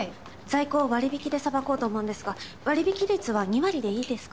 在庫を割引でさばこうと思うんですが割引率は２割でいいですか？